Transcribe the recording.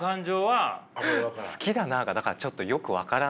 好きだなあがちょっとよく分からない。